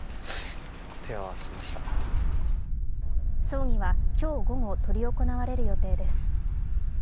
葬儀は今日午後、執り行われる予定です。